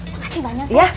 makasih banyak ya